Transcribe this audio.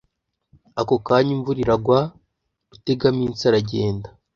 ako kanya imvura iragwa Rutegaminsi aragenda